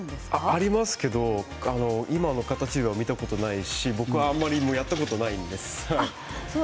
ありますけど今の形のものは見たことがないし僕はやったことがないんです。